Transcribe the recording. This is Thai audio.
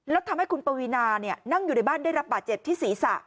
แล้วทำให้คุณปวีนานั่งอยู่ในบ้านได้รับบาดเจ็บที่ศีรษะ